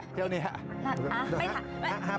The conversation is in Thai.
เท่านี้ครับ